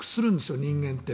人間って。